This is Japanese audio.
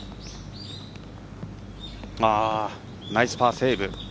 ナイスパーセーブ。